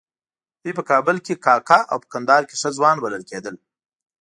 دوی په کابل کې کاکه او په کندهار کې ښه ځوان بلل کېدل.